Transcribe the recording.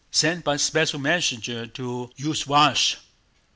Send by special messenger to Usvyázh."